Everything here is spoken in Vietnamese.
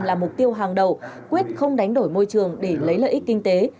là mục tiêu hàng đầu quyết không đánh đổi môi trường để lấy lợi ích kinh tế